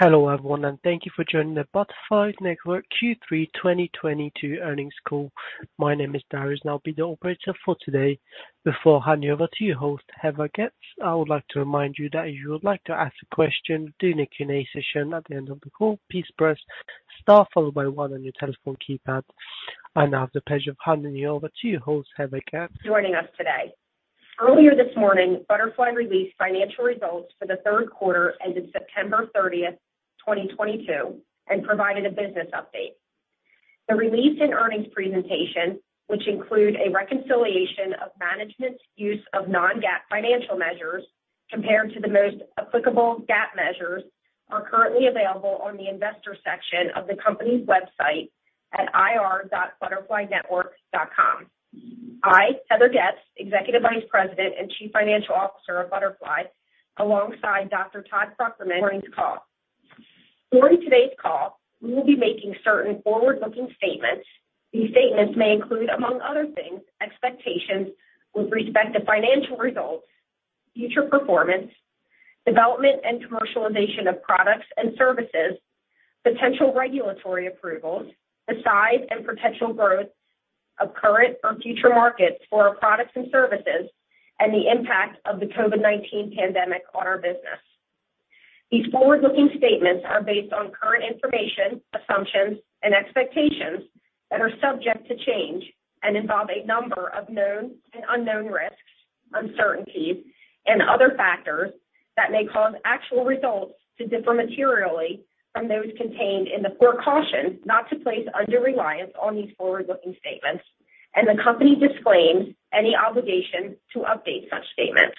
Hello everyone, and thank you for joining the Butterfly Network Q3 2022 earnings call. My name is Darius, and I'll be the operator for today. Before handing over to your host, Heather Getz, I would like to remind you that if you would like to ask a question during the Q&A session at the end of the call, please press star followed by one on your telephone keypad. I now have the pleasure of handing you over to your host, Heather Getz. Joining us today. Earlier this morning, Butterfly released financial results for the third quarter ended September 30, 2022, and provided a business update. The release and earnings presentation, which include a reconciliation of management's use of non-GAAP financial measures compared to the most applicable GAAP measures, are currently available on the investor section of the company's website at ir.butterflynetwork.com. I, Heather Getz, Executive Vice President and Chief Financial Officer of Butterfly, alongside Dr. Todd Fruchterman. During today's call, we will be making certain forward-looking statements. These statements may include, among other things, expectations with respect to financial results, future performance, development and commercialization of products and services, potential regulatory approvals, the size and potential growth of current or future markets for our products and services, and the impact of the COVID-19 pandemic on our business. These forward-looking statements are based on current information, assumptions and expectations that are subject to change and involve a number of known and unknown risks, uncertainties, and other factors that may cause actual results to differ materially from those contained. Caution not to place undue reliance on these forward-looking statements, and the company disclaims any obligation to update such statements.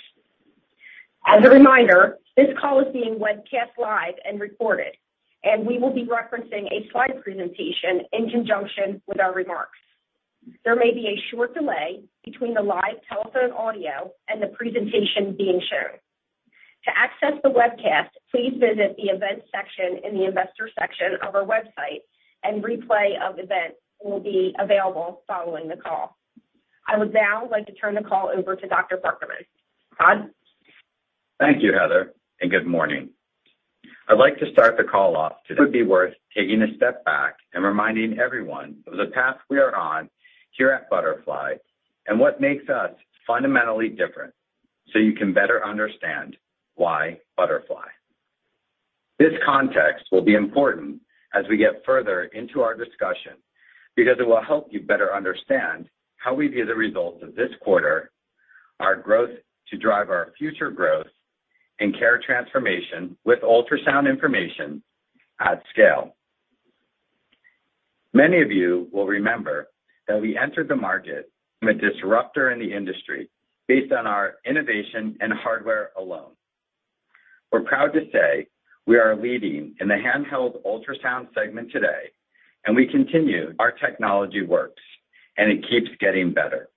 As a reminder, this call is being webcast live and recorded, and we will be referencing a slide presentation in conjunction with our remarks. There may be a short delay between the live telephone audio and the presentation being shown. To access the webcast, please visit the Events section in the Investor section of our website, and replay of events will be available following the call. I would now like to turn the call over to Dr. Fruchterman. Todd? Thank you, Heather, and good morning. It would be worth taking a step back and reminding everyone of the path we are on here at Butterfly and what makes us fundamentally different, so you can better understand why Butterfly. This context will be important as we get further into our discussion because it will help you better understand how we view the results of this quarter, our growth to drive our future growth and care transformation with ultrasound information at scale. Many of you will remember that we entered the market from a disruptor in the industry based on our innovation and hardware alone. We're proud to say we are leading in the handheld ultrasound segment today. Our technology works, and it keeps getting better.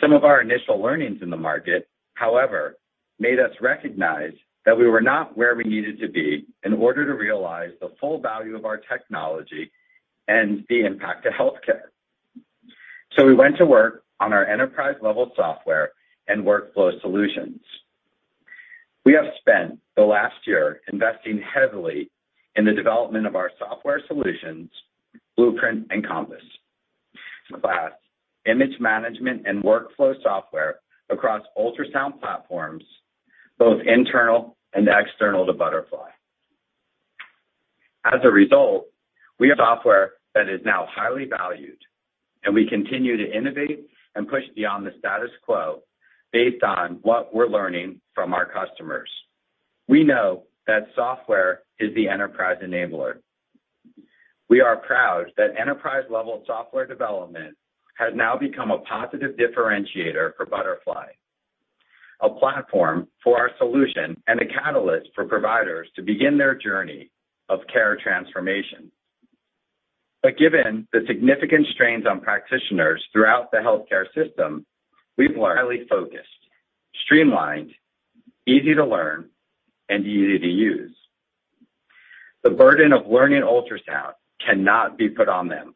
Some of our initial learnings in the market, however, made us recognize that we were not where we needed to be in order to realize the full value of our technology and the impact to healthcare. We went to work on our enterprise-level software and workflow solutions. We have spent the last year investing heavily in the development of our software solutions, Blueprint and Compass. Cloud, image management, and workflow software across ultrasound platforms, both internal and external to Butterfly. As a result, we have software that is now highly valued, and we continue to innovate and push beyond the status quo based on what we're learning from our customers. We know that software is the enterprise enabler. We are proud that enterprise-level software development has now become a positive differentiator for Butterfly, a platform for our solution and a catalyst for providers to begin their journey of care transformation. Given the significant strains on practitioners throughout the healthcare system, we've learned highly focused, streamlined, easy to learn, and easy to use. The burden of learning ultrasound cannot be put on them.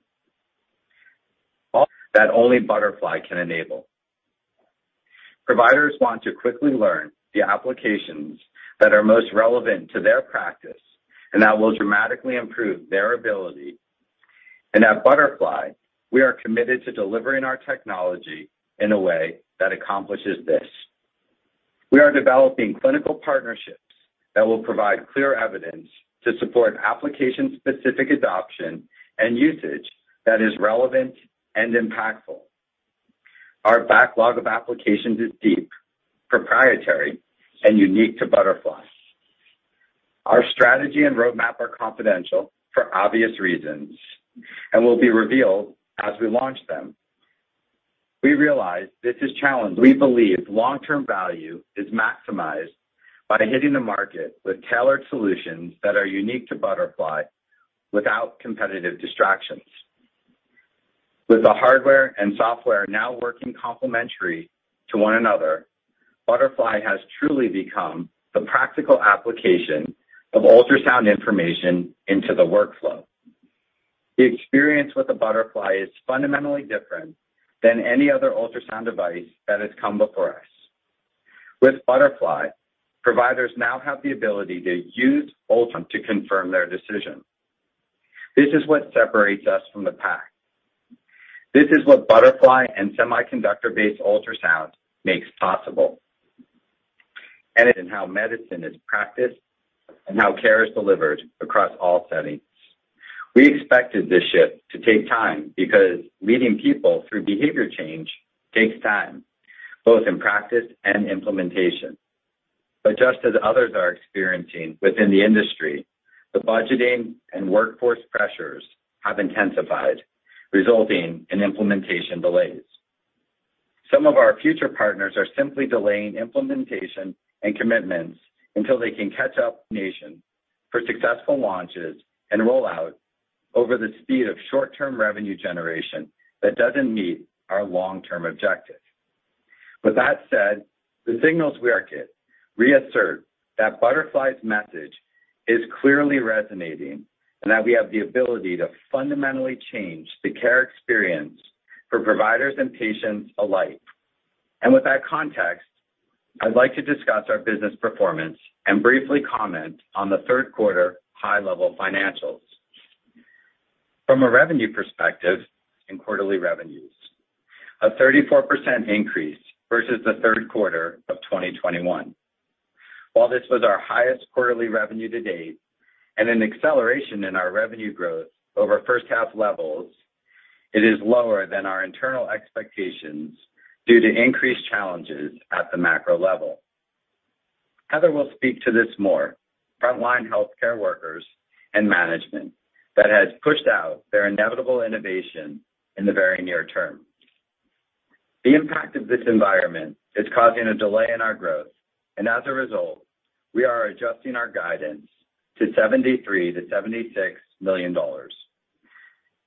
All that only Butterfly can enable. Providers want to quickly learn the applications that are most relevant to their practice and that will dramatically improve their ability. At Butterfly, we are committed to delivering our technology in a way that accomplishes this. We are developing clinical partnerships that will provide clear evidence to support application-specific adoption and usage that is relevant and impactful. Our backlog of applications is deep, proprietary, and unique to Butterfly. Our strategy and roadmap are confidential for obvious reasons and will be revealed as we launch them. We realize this is challenging. We believe long-term value is maximized by hitting the market with tailored solutions that are unique to Butterfly without competitive distractions. With the hardware and software now working complementary to one another, Butterfly has truly become the practical application of ultrasound information into the workflow. The experience with the Butterfly is fundamentally different than any other ultrasound device that has come before us. With Butterfly, providers now have the ability to use ultrasound to confirm their decision. This is what separates us from the pack. This is what Butterfly and semiconductor-based ultrasound makes possible in how medicine is practiced and how care is delivered across all settings. We expected this shift to take time because leading people through behavior change takes time, both in practice and implementation. Just as others are experiencing within the industry, the budgeting and workforce pressures have intensified, resulting in implementation delays. Some of our future partners are simply delaying implementation and commitments until they can catch up, prioritizing successful launches and rollout over the speed of short-term revenue generation that doesn't meet our long-term objective. With that said, the signals we are getting reassert that Butterfly's message is clearly resonating and that we have the ability to fundamentally change the care experience for providers and patients alike. With that context, I'd like to discuss our business performance and briefly comment on the third quarter high-level financials. From a revenue perspective in quarterly revenues, a 34% increase versus the third quarter of 2021. While this was our highest quarterly revenue to date and an acceleration in our revenue growth over first half levels, it is lower than our internal expectations due to increased challenges at the macro level. Heather will speak to this more. Frontline healthcare workers and management that has pushed out their inevitable innovation in the very near term. The impact of this environment is causing a delay in our growth, and as a result, we are adjusting our guidance to $73 million-$76 million.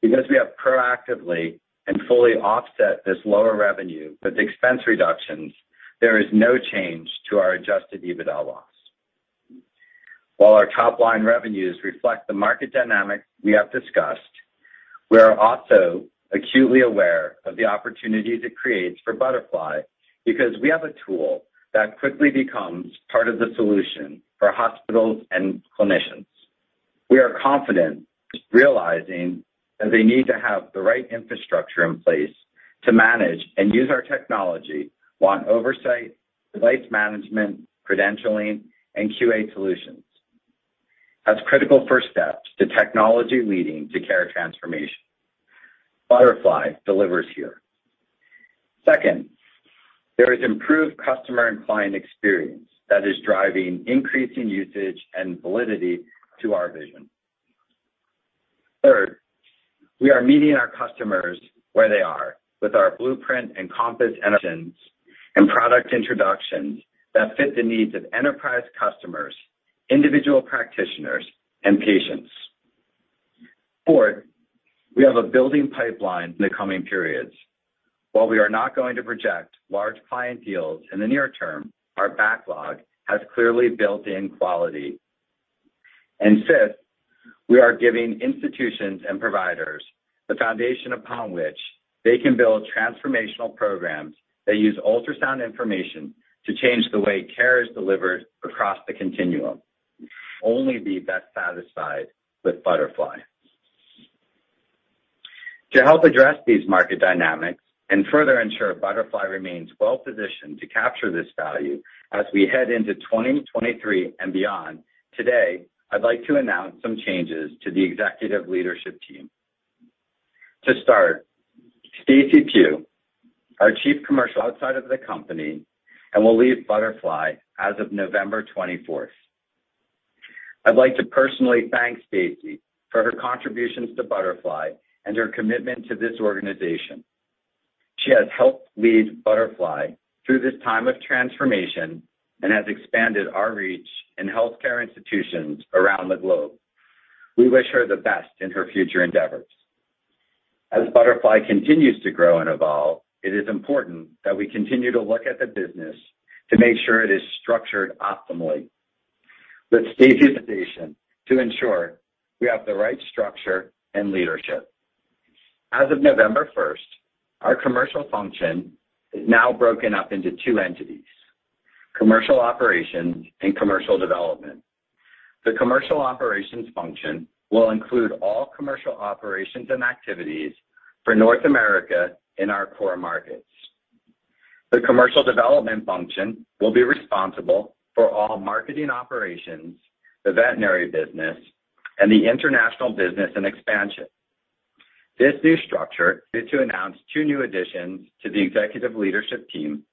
Because we have proactively and fully offset this lower revenue with expense reductions, there is no change to our adjusted EBITDA loss. While our top line revenues reflect the market dynamics we have discussed, we are also acutely aware of the opportunities it creates for Butterfly because we have a tool that quickly becomes part of the solution for hospitals and clinicians. We are confident realizing that they need to have the right infrastructure in place to manage and use our technology, want oversight, device management, credentialing, and QA solutions. That's critical first step to technology leading to care transformation. Butterfly delivers here. Second, there is improved customer and client experience that is driving increasing usage and validity to our vision. Third, we are meeting our customers where they are with our Blueprint and Compass innovations and product introductions that fit the needs of enterprise customers, individual practitioners, and patients. Fourth, we have a building pipeline in the coming periods. While we are not going to project large client deals in the near term, our backlog has clearly built in quality. Fifth, we are giving institutions and providers the foundation upon which they can build transformational programs that use ultrasound information to change the way care is delivered across the continuum. Only be best satisfied with Butterfly. To help address these market dynamics and further ensure Butterfly remains well-positioned to capture this value as we head into 2023 and beyond, today, I'd like to announce some changes to the executive leadership team. To start, Stacey Pugh, our Chief Commercial Officer, will leave Butterfly as of November 24th. I'd like to personally thank Stacey for her contributions to Butterfly and her commitment to this organization. She has helped lead Butterfly through this time of transformation and has expanded our reach in healthcare institutions around the globe. We wish her the best in her future endeavors. As Butterfly continues to grow and evolve, it is important that we continue to look at the business to make sure it is structured optimally. With Stacey's departure to ensure we have the right structure and leadership. As of November first, our commercial function is now broken up into two entities, commercial operations and commercial development. The commercial operations function will include all commercial operations and activities for North America in our core markets. The commercial development function will be responsible for all marketing operations, the veterinary business, and the international business and expansion. This new structure is to announce two new additions to the executive leadership team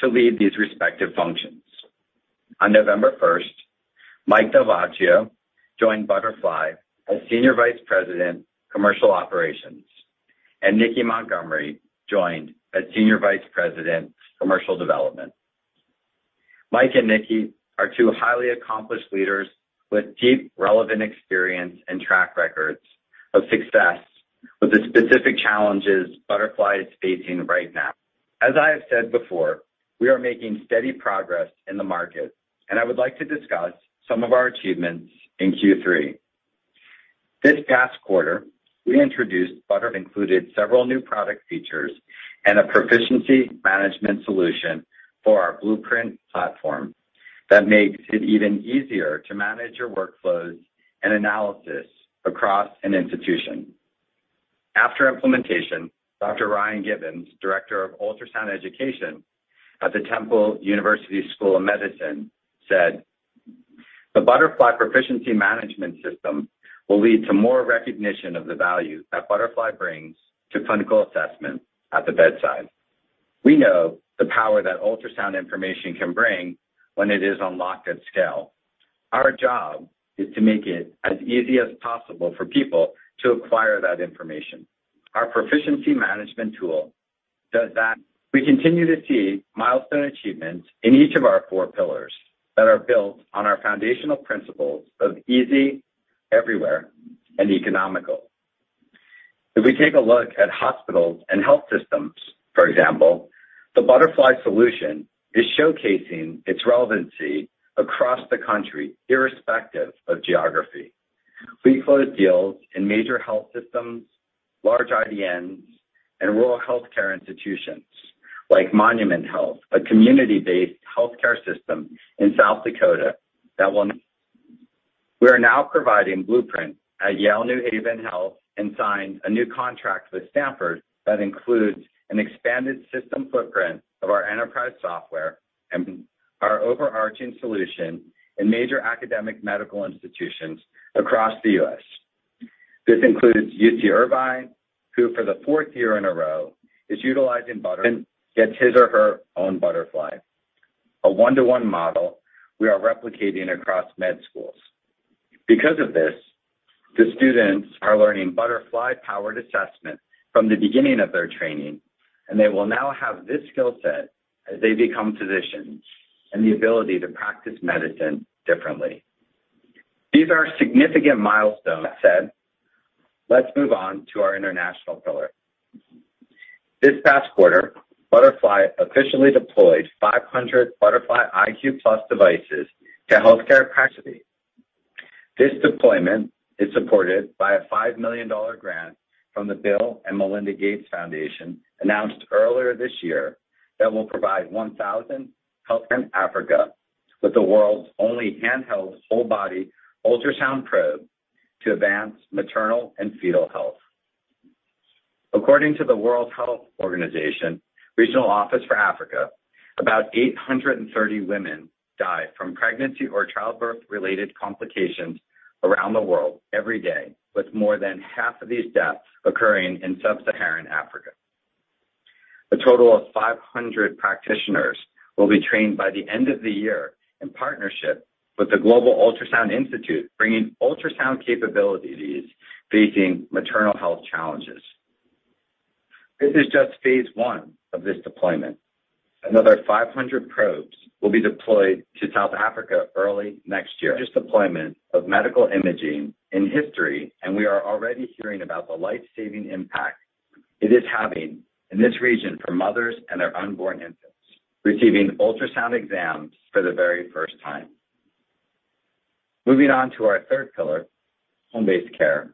to lead these respective functions. On November first, Mike DelVacchio joined Butterfly as Senior Vice President, Commercial Operations, and Niki Montgomery joined as Senior Vice President, Commercial Development. Mike and Niki are two highly accomplished leaders with deep relevant experience and track records of success with the specific challenges Butterfly is facing right now. As I have said before, we are making steady progress in the market, and I would like to discuss some of our achievements in Q3. This past quarter, we introduced Butterfly that included several new product features and a proficiency management solution for our Blueprint platform that makes it even easier to manage your workflows and analysis across an institution. After implementation, Dr. Ryan Gibbons, Director of Ultrasound Education at the Lewis Katz School of Medicine at Temple University, said, "The Butterfly Proficiency Management System will lead to more recognition of the value that Butterfly brings to clinical assessment at the bedside. We know the power that ultrasound information can bring when it is unlocked at scale. Our job is to make it as easy as possible for people to acquire that information. Our proficiency management tool does that." We continue to see milestone achievements in each of our four pillars that are built on our foundational principles of easy, everywhere, and economical. If we take a look at hospitals and health systems, for example, the Butterfly solution is showcasing its relevancy across the country irrespective of geography. We closed deals in major health systems, large IDNs, and rural healthcare institutions like Monument Health, a community-based healthcare system in South Dakota. We are now providing Blueprint at Yale New Haven Health and signed a new contract with Stanford that includes an expanded system footprint of our enterprise software and our overarching solution in major academic medical institutions across the U.S. This includes UC Irvine, who for the fourth year in a row is utilizing Butterfly gets his or her own Butterfly. A one-to-one model we are replicating across med schools. Because of this, the students are learning Butterfly-powered assessment from the beginning of their training, and they will now have this skill set as they become physicians, and the ability to practice medicine differently. These are significant milestones. Let's move on to our international pillar. This past quarter, Butterfly officially deployed 500 Butterfly iQ+ devices to healthcare practitioners. This deployment is supported by a $5 million grant from the Bill & Melinda Gates Foundation announced earlier this year that will provide 1,000 healthcare workers in Africa with the world's only handheld whole-body ultrasound probe to advance maternal and fetal health. According to the World Health Organization Regional Office for Africa, about 830 women die from pregnancy or childbirth-related complications around the world every day, with more than half of these deaths occurring in sub-Saharan Africa. A total of 500 practitioners will be trained by the end of the year in partnership with the Global Ultrasound Institute, bringing ultrasound capabilities facing maternal health challenges. This is just phase one of this deployment. Another 500 probes will be deployed to South Africa early next year. Largest deployment of medical imaging in history, and we are already hearing about the life-saving impact it is having in this region for mothers and their unborn infants receiving ultrasound exams for the very first time. Moving on to our third pillar, home-based care.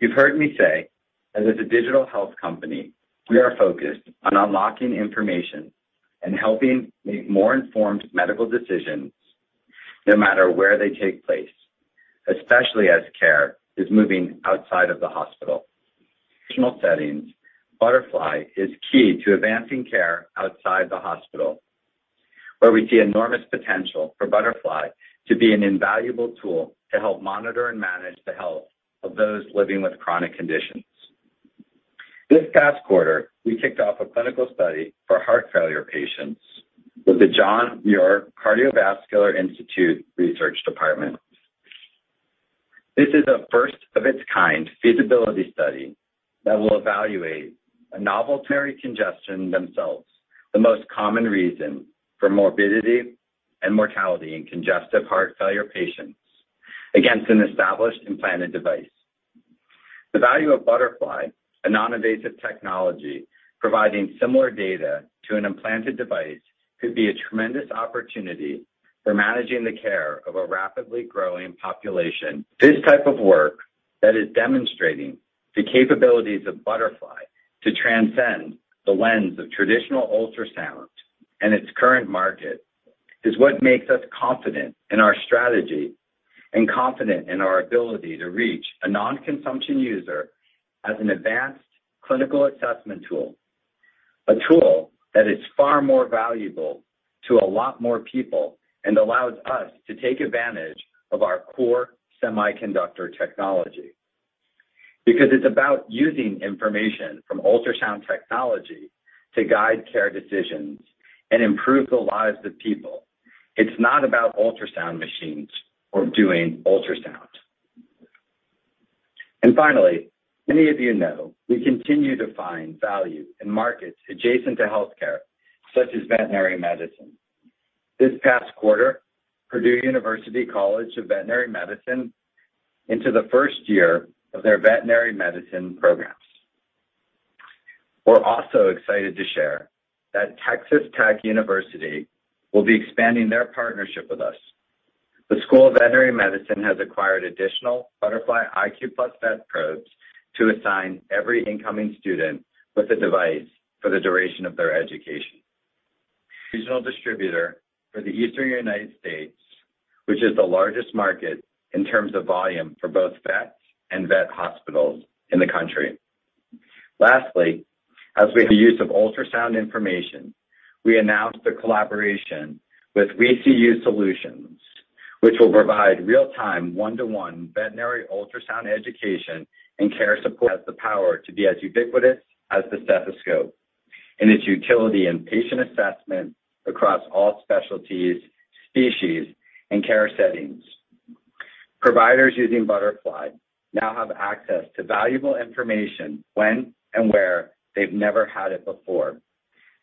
You've heard me say that as a digital health company, we are focused on unlocking information and helping make more informed medical decisions no matter where they take place, especially as care is moving outside of the hospital. Traditional settings, Butterfly is key to advancing care outside the hospital, where we see enormous potential for Butterfly to be an invaluable tool to help monitor and manage the health of those living with chronic conditions. This past quarter, we kicked off a clinical study for heart failure patients with the John Muir Health Cardiovascular Institute research department. This is a first of its kind feasibility study that will evaluate a novel pulmonary congestion assessment, the most common reason for morbidity and mortality in congestive heart failure patients against an established implanted device. The value of Butterfly, a non-invasive technology providing similar data to an implanted device, could be a tremendous opportunity for managing the care of a rapidly growing population. This type of work that is demonstrating the capabilities of Butterfly to transcend the lens of traditional ultrasound and its current market is what makes us confident in our strategy and confident in our ability to reach a non-consumption user as an advanced clinical assessment tool. A tool that is far more valuable to a lot more people and allows us to take advantage of our core semiconductor technology. Because it's about using information from ultrasound technology to guide care decisions and improve the lives of people. It's not about ultrasound machines or doing ultrasounds. Finally, many of you know we continue to find value in markets adjacent to healthcare, such as veterinary medicine. This past quarter, Purdue University College of Veterinary Medicine entered the first year of their veterinary medicine programs. We're also excited to share that Texas Tech University will be expanding their partnership with us. The School of Veterinary Medicine has acquired additional Butterfly iQ+ Vet probes to assign every incoming student with a device for the duration of their education. Regional distributor for the Eastern United States, which is the largest market in terms of volume for both vets and vet hospitals in the country. Lastly, as we have the use of ultrasound information, we announced a collaboration with We See You Solutions, which will provide real-time one-to-one veterinary ultrasound education and care support, has the power to be as ubiquitous as the stethoscope in its utility and patient assessment across all specialties, species, and care settings. Providers using Butterfly now have access to valuable information when and where they've never had it before.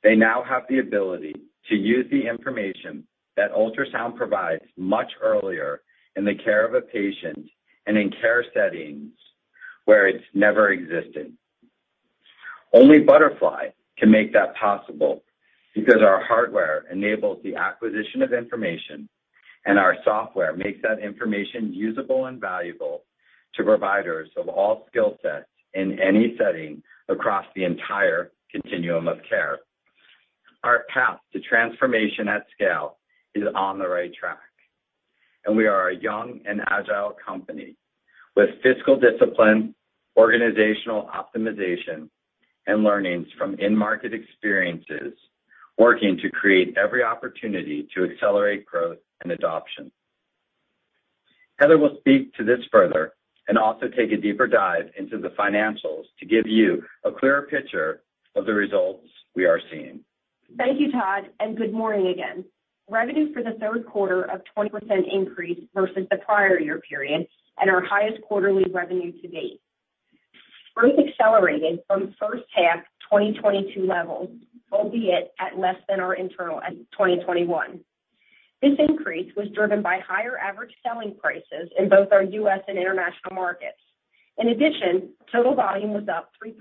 They now have the ability to use the information that ultrasound provides much earlier in the care of a patient and in care settings where it's never existed. Only Butterfly can make that possible because our hardware enables the acquisition of information, and our software makes that information usable and valuable to providers of all skill sets in any setting across the entire continuum of care. Our path to transformation at scale is on the right track, and we are a young and agile company with fiscal discipline, organizational optimization, and learnings from in-market experiences working to create every opportunity to accelerate growth and adoption. Heather will speak to this further and also take a deeper dive into the financials to give you a clearer picture of the results we are seeing. Thank you, Todd, and good morning again. Revenue for the third quarter was a 22% increase versus the prior year period and our highest quarterly revenue to date. Growth accelerated from first half 2022 levels, albeit at less than our internal 2021. This increase was driven by higher average selling prices in both our U.S. and international markets. In addition, total volume was up 3%,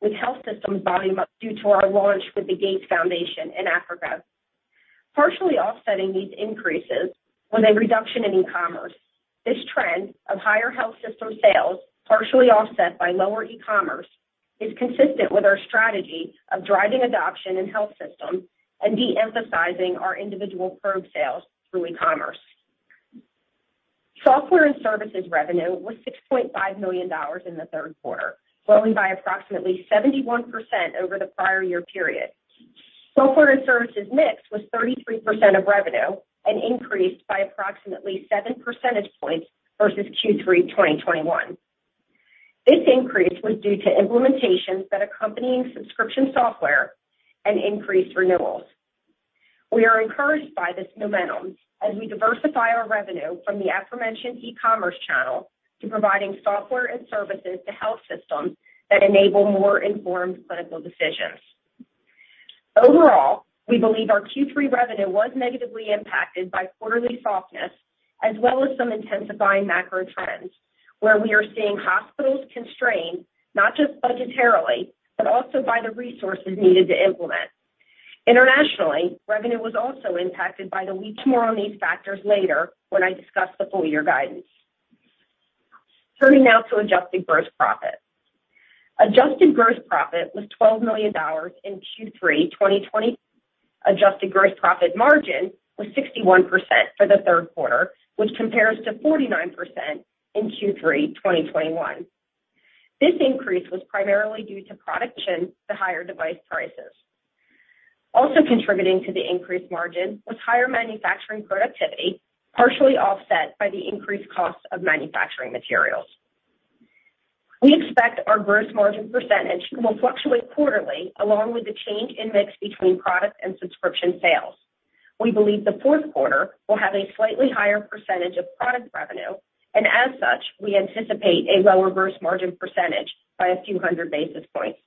with health systems volume up due to our launch with the Gates Foundation in Africa. Partially offsetting these increases was a reduction in e-commerce. This trend of higher health system sales, partially offset by lower e-commerce, is consistent with our strategy of driving adoption in health systems and de-emphasizing our individual probe sales through e-commerce. Software and services revenue was $6.5 million in the third quarter, growing by approximately 71% over the prior year period. Software and services mix was 33% of revenue and increased by approximately seven percentage points versus Q3 2021. This increase was due to implementations that accompany subscription software and increased renewals. We are encouraged by this momentum as we diversify our revenue from the aforementioned e-commerce channel to providing software and services to health systems that enable more informed clinical decisions. Overall, we believe our Q3 revenue was negatively impacted by quarterly softness as well as some intensifying macro trends where we are seeing hospitals constrained, not just budgetarily, but also by the resources needed to implement. Internationally, revenue was also impacted. We'll touch more on these factors later when I discuss the full year guidance. Turning now to adjusted gross profit. Adjusted gross profit was $12 million in Q3 2020. Adjusted gross profit margin was 61% for the third quarter, which compares to 49% in Q3 2021. This increase was primarily due to product mix, the higher device prices. Also contributing to the increased margin was higher manufacturing productivity, partially offset by the increased cost of manufacturing materials. We expect our gross margin percentage will fluctuate quarterly along with the change in mix between product and subscription sales. We believe the fourth quarter will have a slightly higher percentage of product revenue, and as such, we anticipate a lower gross margin percentage by a few hundred basis points.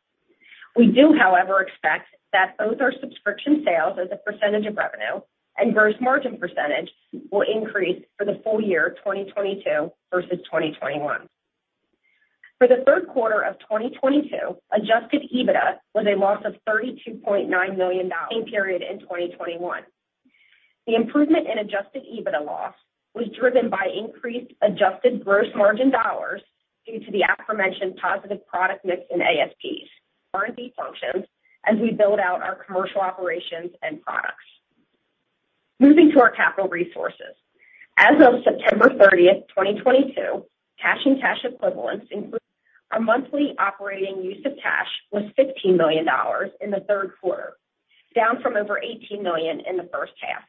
We do, however, expect that both our subscription sales as a percentage of revenue and gross margin percentage will increase for the full year 2022 versus 2021. For the third quarter of 2022, adjusted EBITDA was a loss of $32.9 million period in 2021. The improvement in adjusted EBITDA loss was driven by increased adjusted gross margin dollars due to the aforementioned positive product mix in ASPs. R&D functions as we build out our commercial operations and products. Moving to our capital resources. As of September 30, 2022, cash and cash equivalents. Our monthly operating use of cash was $15 million in the third quarter, down from over $18 million in the first half.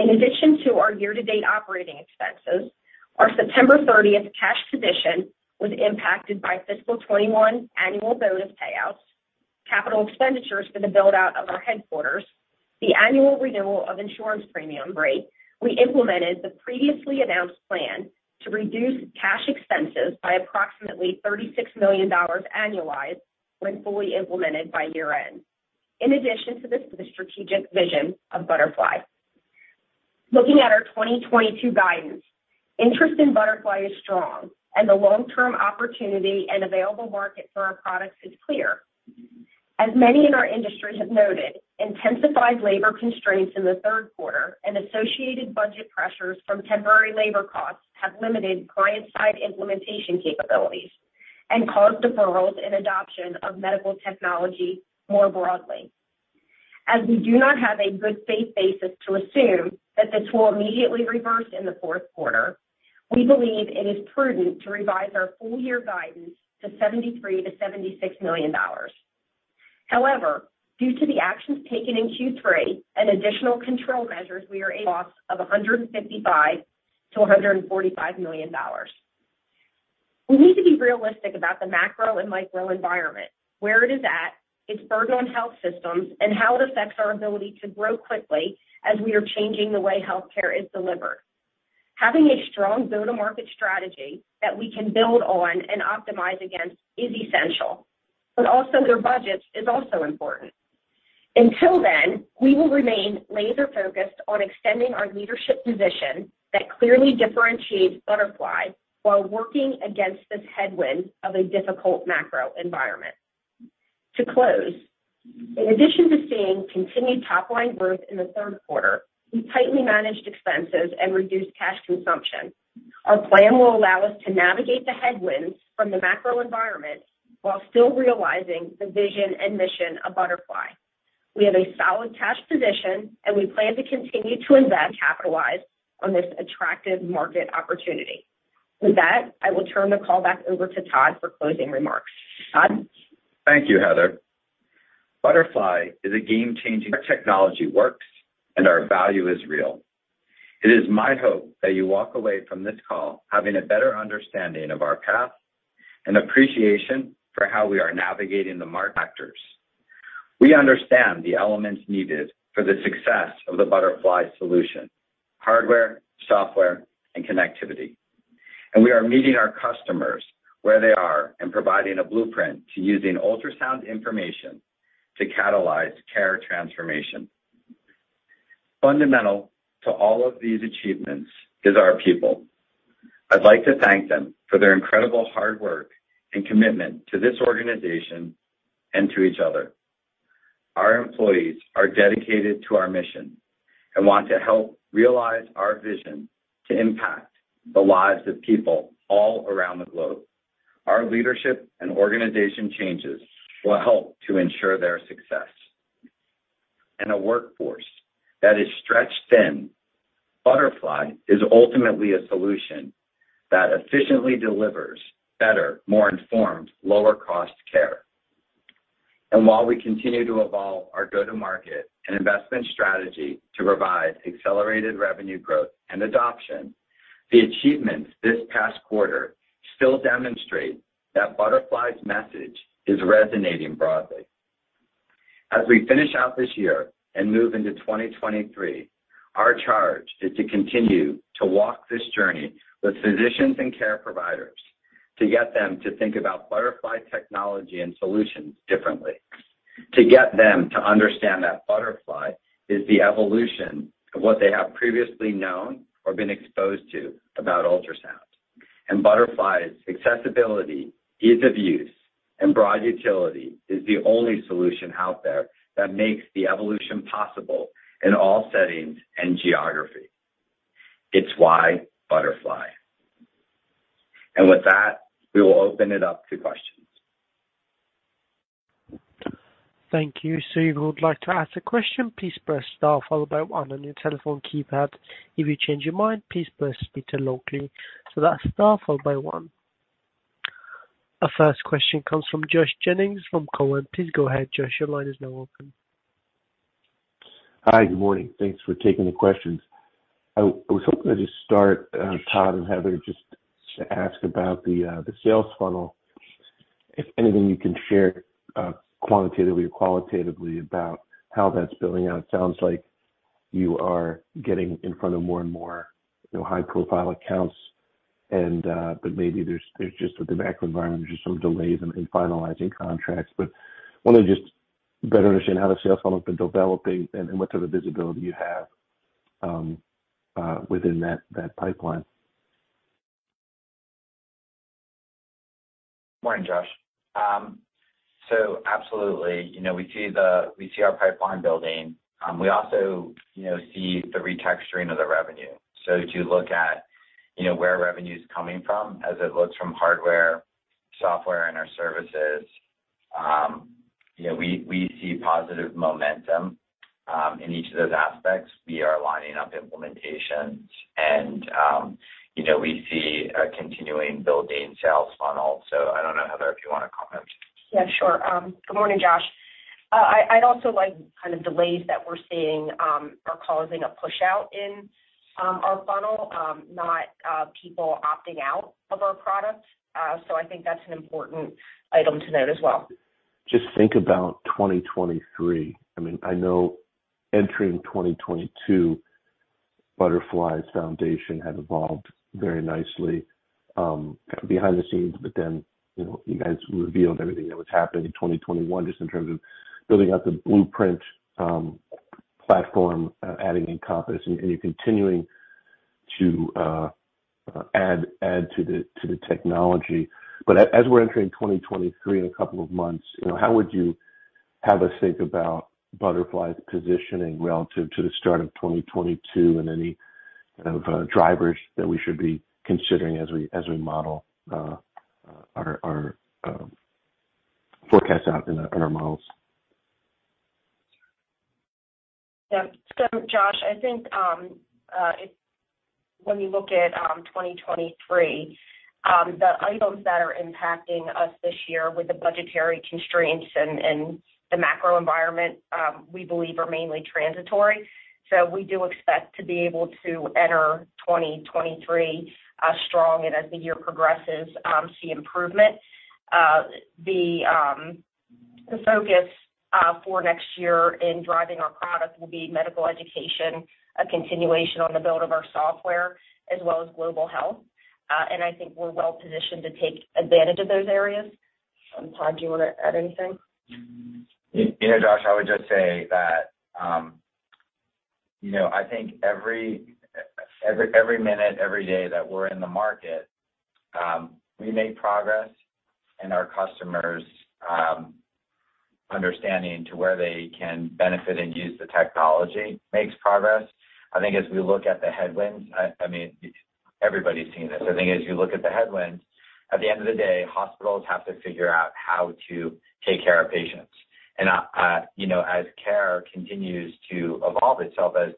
In addition to our year-to-date operating expenses, our September 30 cash position was impacted by fiscal 2021 annual bonus payouts, capital expenditures for the build-out of our headquarters, the annual renewal of insurance premiums. We implemented the previously announced plan to reduce cash expenses by approximately $36 million annualized when fully implemented by year-end. In addition to this strategic vision of Butterfly. Looking at our 2022 guidance, interest in Butterfly is strong and the long-term opportunity and available market for our products is clear. As many in our industry have noted, intensified labor constraints in the third quarter and associated budget pressures from temporary labor costs have limited client-side implementation capabilities and caused deferrals in adoption of medical technology more broadly. As we do not have a good faith basis to assume that this will immediately reverse in the fourth quarter, we believe it is prudent to revise our full year guidance to $73 million-$76 million. However, due to the actions taken in Q3 and additional control measures, we are at a loss of $155 million-$145 million. We need to be realistic about the macro and micro environment, where it is at, its burden on health systems, and how it affects our ability to grow quickly as we are changing the way healthcare is delivered. Having a strong go-to-market strategy that we can build on and optimize against is essential, but also their budgets is also important. Until then, we will remain laser-focused on extending our leadership position that clearly differentiates Butterfly while working against this headwind of a difficult macro environment. To close, in addition to seeing continued top-line growth in the third quarter, we tightly managed expenses and reduced cash consumption. Our plan will allow us to navigate the headwinds from the macro environment while still realizing the vision and mission of Butterfly. We have a solid cash position, and we plan to continue to invest and capitalize on this attractive market opportunity. With that, I will turn the call back over to Todd for closing remarks. Todd? Thank you, Heather. Butterfly is a game-changing technology works, and our value is real. It is my hope that you walk away from this call having a better understanding of our path and appreciation for how we are navigating the market factors. We understand the elements needed for the success of the Butterfly solution, hardware, software, and connectivity. We are meeting our customers where they are and providing a blueprint to using ultrasound information to catalyze care transformation. Fundamental to all of these achievements is our people. I'd like to thank them for their incredible hard work and commitment to this organization and to each other. Our employees are dedicated to our mission and want to help realize our vision to impact the lives of people all around the globe. Our leadership and organization changes will help to ensure their success. In a workforce that is stretched thin, Butterfly is ultimately a solution that efficiently delivers better, more informed, lower cost care. While we continue to evolve our go-to-market and investment strategy to provide accelerated revenue growth and adoption, the achievements this past quarter still demonstrate that Butterfly's message is resonating broadly. As we finish out this year and move into 2023, our charge is to continue to walk this journey with physicians and care providers to get them to think about Butterfly technology and solutions differently. To get them to understand that Butterfly is the evolution of what they have previously known or been exposed to about ultrasound. Butterfly's accessibility, ease of use, and broad utility is the only solution out there that makes the evolution possible in all settings and geography. It's why Butterfly. With that, we will open it up to questions. Thank you. If you would like to ask a question, please press star followed by one on your telephone keypad. If you change your mind, please press star followed by one again. That's star followed by one. Our first question comes from Joshua Jennings from TD Cowen. Please go ahead, Josh. Your line is now open. Hi. Good morning. Thanks for taking the questions. I was hoping to just start, Todd and Heather, just to ask about the sales funnel. If anything you can share, quantitatively or qualitatively about how that's building out. It sounds like you are getting in front of more and more, you know, high-profile accounts and, but maybe there's just with the macro environment, there's some delays in finalizing contracts. Want to just better understand how the sales funnel's been developing and what sort of visibility you have within that pipeline. Morning, Josh. Absolutely. You know, we see our pipeline building. We also, you know, see the restructuring of the revenue. As you look at, you know, where revenue's coming from as it looks from hardware, software and our services, you know, we see positive momentum in each of those aspects. We are lining up implementations and, you know, we see a continually building sales funnel. I don't know, Heather, if you want to comment. Yeah, sure. Good morning, Josh. I'd also like kind of delays that we're seeing are causing a push-out in our funnel, not people opting out of our products. I think that's an important item to note as well. Just think about 2023. I mean, I know entering 2022, Butterfly's foundation had evolved very nicely. Behind the scenes, but then, you know, you guys revealed everything that was happening in 2021, just in terms of building out the Blueprint platform, adding Compass, and you're continuing to add to the technology. But as we're entering 2023 in a couple of months, you know, how would you have us think about Butterfly's positioning relative to the start of 2022 and any of drivers that we should be considering as we model our forecast out in our models? Yeah. Josh, I think when you look at 2023, the items that are impacting us this year with the budgetary constraints and the macro environment, we believe are mainly transitory. We do expect to be able to enter 2023 strong, and as the year progresses, see improvement. The focus for next year in driving our product will be medical education, a continuation on the build of our software, as well as global health. I think we're well-positioned to take advantage of those areas. Todd, do you want to add anything? You know, Joshua, I would just say that, you know, I think every minute, every day that we're in the market, we make progress and our customers understanding to where they can benefit and use the technology makes progress. I think as we look at the headwinds, I mean, everybody's seen this. I think as you look at the headwinds, at the end of the day, hospitals have to figure out how to take care of patients. You know, as care continues to evolve itself as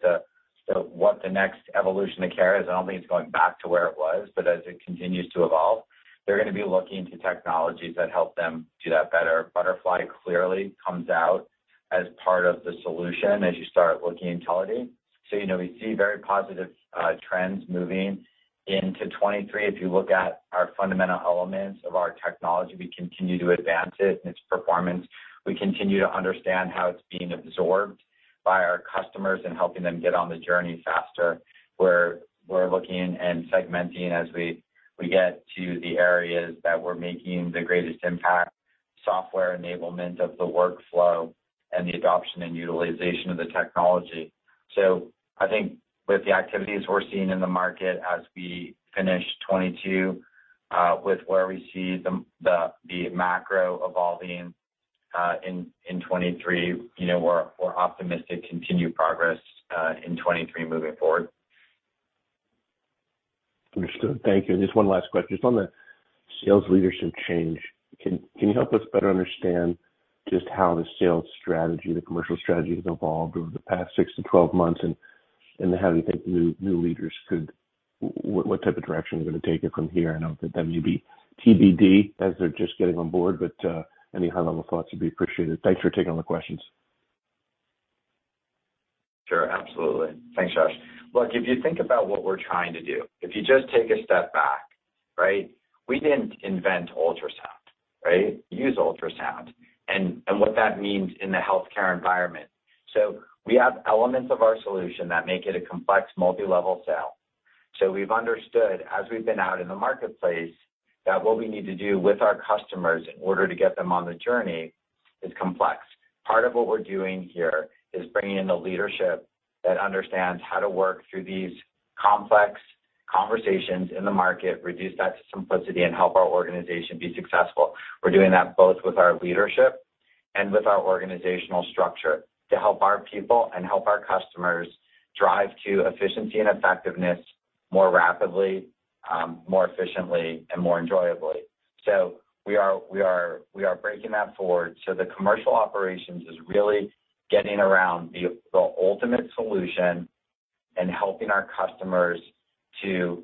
to what the next evolution of care is, I don't think it's going back to where it was, but as it continues to evolve, they're gonna be looking to technologies that help them do that better. Butterfly clearly comes out as part of the solution as you start looking internally. You know, we see very positive trends moving into 2023. If you look at our fundamental elements of our technology, we continue to advance it and its performance. We continue to understand how it's being absorbed by our customers and helping them get on the journey faster, where we're looking and segmenting as we get to the areas that we're making the greatest impact, software enablement of the workflow and the adoption and utilization of the technology. I think with the activities we're seeing in the market as we finish 2022, with where we see the macro evolving in 2023, you know, we're optimistic to continue progress in 2023 moving forward. Understood. Thank you. Just one last question. Just on the sales leadership change, can you help us better understand just how the sales strategy, the commercial strategy has evolved over the past 6-12 months, and how do you think new leaders could what type of direction they're gonna take it from here? I know that may be TBD as they're just getting on board, but any high-level thoughts would be appreciated. Thanks for taking all the questions. Sure. Absolutely. Thanks, Joshua. Look, if you think about what we're trying to do, if you just take a step back, right? We didn't invent ultrasound, right? We use ultrasound and what that means in the healthcare environment. We have elements of our solution that make it a complex multilevel sale. We've understood as we've been out in the marketplace, that what we need to do with our customers in order to get them on the journey is complex. Part of what we're doing here is bringing in the leadership that understands how to work through these complex conversations in the market, reduce that to simplicity, and help our organization be successful. We're doing that both with our leadership and with our organizational structure to help our people and help our customers drive to efficiency and effectiveness more rapidly, more efficiently and more enjoyably. We are breaking that forward. The commercial operations is really getting around the ultimate solution and helping our customers to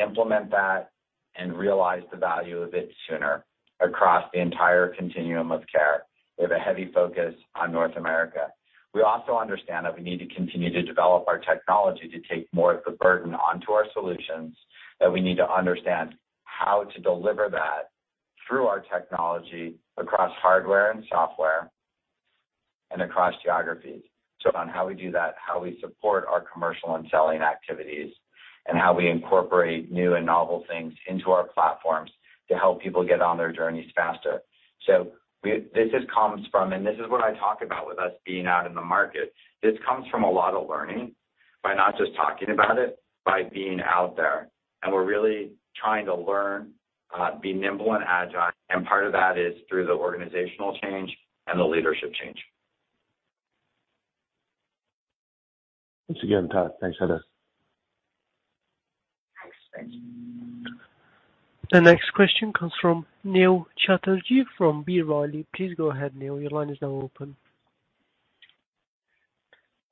implement that and realize the value of it sooner across the entire continuum of care. We have a heavy focus on North America. We also understand that we need to continue to develop our technology to take more of the burden onto our solutions, that we need to understand how to deliver that through our technology across hardware and software and across geographies. On how we do that, how we support our commercial and selling activities, and how we incorporate new and novel things into our platforms to help people get on their journeys faster. This just comes from, and this is what I talk about with us being out in the market. This comes from a lot of learning by not just talking about it, by being out there. We're really trying to learn, be nimble and agile. Part of that is through the organizational change and the leadership change. Thanks again, Todd. Thanks, Heather. Thanks. The next question comes from Neil Chatterji from B. Riley. Please go ahead, Neil. Your line is now open.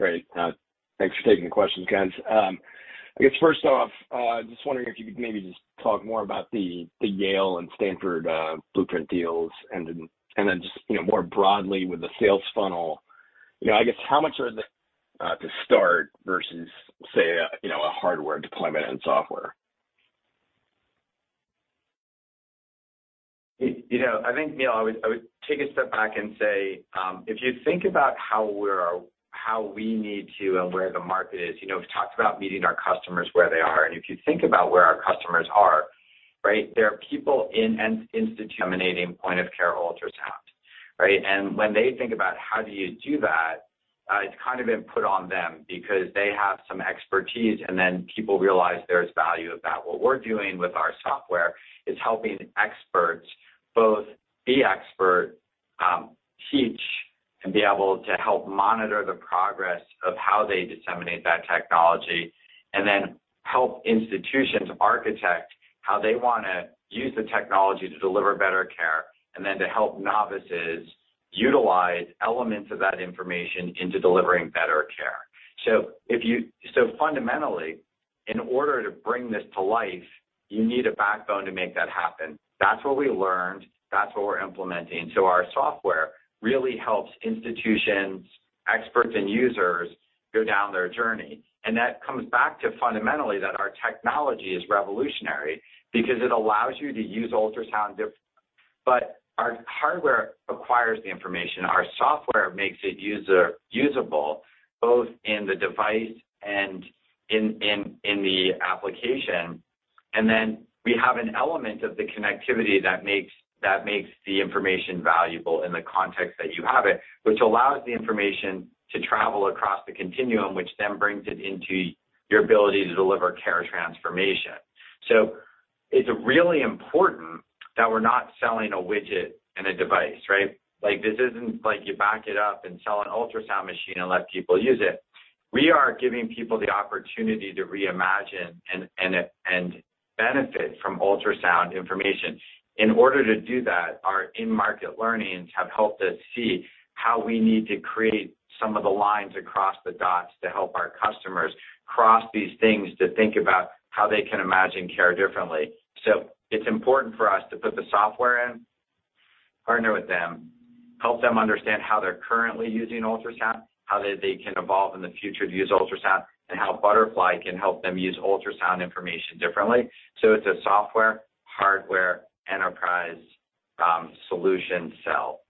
Great. Thanks for taking the questions, guys. I guess first off, just wondering if you could maybe just talk more about the Yale and Stanford Blueprint deals and then just, you know, more broadly with the sales funnel. You know, I guess how much are they to start versus, say, you know, a hardware deployment and software? You know, I think, Neil, I would take a step back and say, if you think about how we need to and where the market is. You know, we've talked about meeting our customers where they are. If you think about where our customers are, right? There are people in instituting point of care ultrasound, right? When they think about how do you do that, it's kind of been put on them because they have some expertise, and then people realize there's value of that. What we're doing with our software is helping experts both be expert, teach, and be able to help monitor the progress of how they disseminate that technology. Then help institutions architect how they wanna use the technology to deliver better care, and then to help novices utilize elements of that information into delivering better care. Fundamentally, in order to bring this to life, you need a backbone to make that happen. That's what we learned, that's what we're implementing. Our software really helps institutions, experts and users go down their journey. And that comes back to fundamentally that our technology is revolutionary. But our hardware acquires the information. Our software makes it user-usable both in the device and in the application. And then we have an element of the connectivity that makes the information valuable in the context that you have it, which allows the information to travel across the continuum, which then brings it into your ability to deliver care transformation. It's really important that we're not selling a widget and a device, right? Like, this isn't like you back it up and sell an ultrasound machine and let people use it. We are giving people the opportunity to reimagine and benefit from ultrasound information. In order to do that, our in-market learnings have helped us see how we need to create some of the lines across the dots to help our customers cross these things to think about how they can imagine care differently. It's important for us to put the software in, partner with them, help them understand how they're currently using ultrasound, how they can evolve in the future to use ultrasound, and how Butterfly can help them use ultrasound information differently. It's a software, hardware, enterprise, solution sell.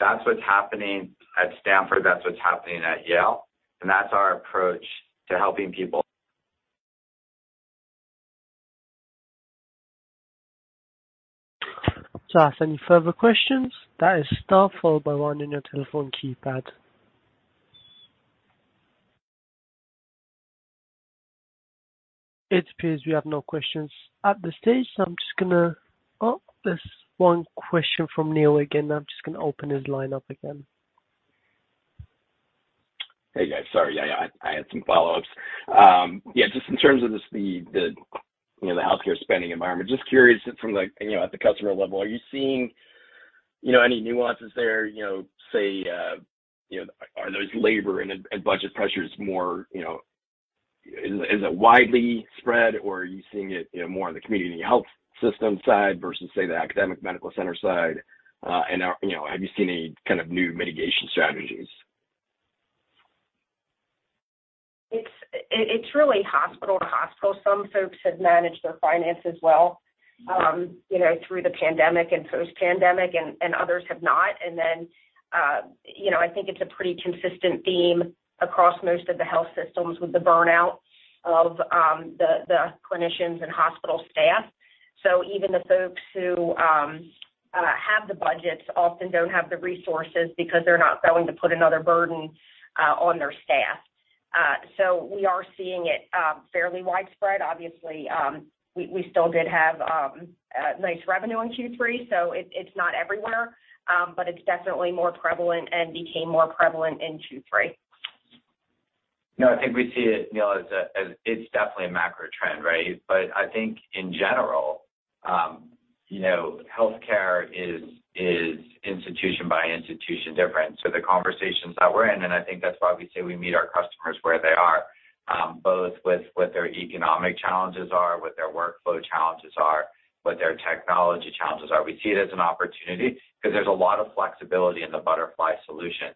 That's what's happening at Stanford, that's what's happening at Yale, and that's our approach to helping people. To ask any further questions, that is star followed by one on your telephone keypad. It appears we have no questions at this stage. Oh, there's one question from Neil again. I'm just gonna open his line up again. Hey, guys. Sorry. Yeah, I had some follow-ups. Yeah, just in terms of just the you know, the healthcare spending environment. Just curious from like, you know, at the customer level, are you seeing, you know, any nuances there, you know, say, you know, are those labor and budget pressures more, you know? Is it widely spread or are you seeing it, you know, more on the community health system side versus say the academic medical center side? And have you seen any kind of new mitigation strategies? It's really hospital to hospital. Some folks have managed their finances well, you know, through the pandemic and post-pandemic and others have not. I think it's a pretty consistent theme across most of the health systems with the burnout of the clinicians and hospital staff. Even the folks who have the budgets often don't have the resources because they're not going to put another burden on their staff. We are seeing it fairly widespread. Obviously, we still did have a nice revenue in Q3, it's not everywhere. It's definitely more prevalent and became more prevalent in Q3. No, I think we see it, Neil, as it's definitely a macro trend, right? I think in general, you know, healthcare is institution by institution different. The conversations that we're in, and I think that's why we say we meet our customers where they are, both with what their economic challenges are, what their workflow challenges are, what their technology challenges are. We see it as an opportunity 'cause there's a lot of flexibility in the Butterfly solution.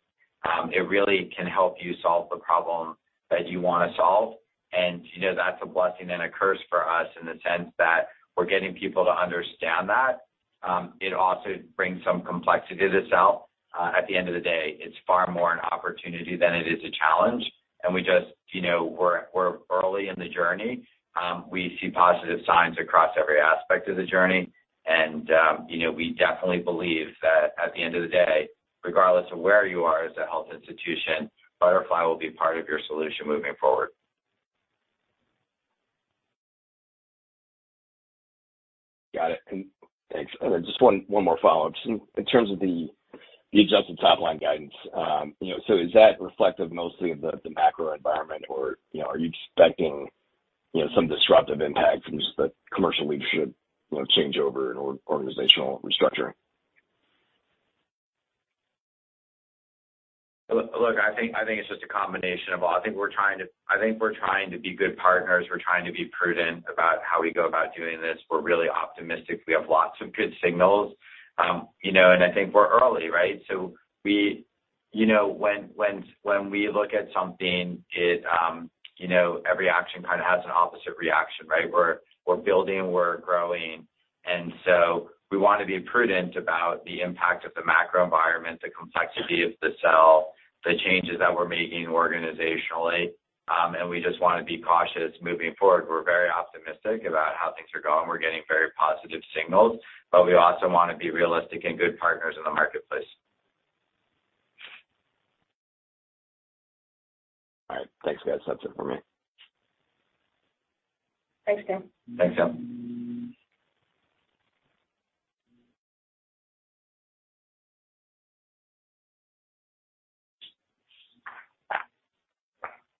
It really can help you solve the problem that you wanna solve. You know, that's a blessing and a curse for us in the sense that we're getting people to understand that. It also brings some complexities itself. At the end of the day, it's far more an opportunity than it is a challenge. We just, you know, we're early in the journey. We see positive signs across every aspect of the journey. You know, we definitely believe that at the end of the day, regardless of where you are as a health institution, Butterfly will be part of your solution moving forward. Got it. Thanks. Just one more follow-up. Just in terms of the adjusted top line guidance. You know, so is that reflective mostly of the macro environment or, you know, are you expecting, you know, some disruptive impact from just the commercial leadership, you know, changeover and organizational restructuring? Look, I think it's just a combination of all. I think we're trying to be good partners. We're trying to be prudent about how we go about doing this. We're really optimistic. We have lots of good signals. You know, I think we're early, right? You know, when we look at something, you know, every action kind of has an opposite reaction, right? We're building, we're growing, and we want to be prudent about the impact of the macro environment, the complexity of the sell, the changes that we're making organizationally, and we just want to be cautious moving forward. We're very optimistic about how things are going. We're getting very positive signals, but we also want to be realistic and good partners in the marketplace. All right. Thanks, guys. That's it for me. Thanks, Neil. Thanks, Neil.